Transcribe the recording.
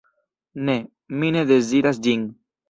Ne, mi ne deziras ĝin.